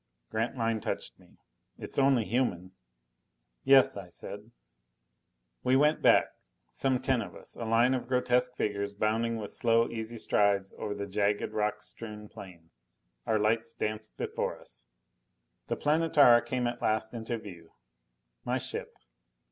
Grantline touched me. "It's only human " "Yes," I said. We went back. Some ten of us a line of grotesque figures bounding with slow, easy strides over the jagged, rock strewn plain. Our lights danced before us. The Planetara came at last into view. My ship.